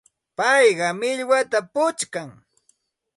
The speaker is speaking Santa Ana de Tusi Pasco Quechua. Payqa millwatam puchkan.